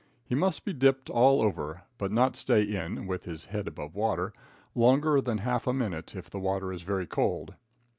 He must be dipped all over, but not stay in (with his head above water) longer than half a minute if the water is very cold.